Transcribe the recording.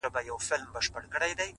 ساده ژوند د ذهن سکون دی,